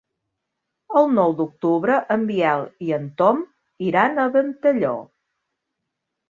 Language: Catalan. El nou d'octubre en Biel i en Tom iran a Ventalló.